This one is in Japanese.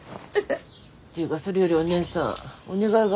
ていうかそれよりお姉さんお願いがあるんだけど。